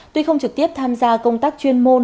tuy không trực tiếp tham gia công tác chuyên môn